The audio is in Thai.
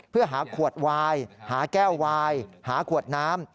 เพื่อหาขวดวายหาแก้ววายหาขวดน้ำ